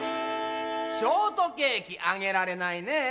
ショートケーキあげられないねえ。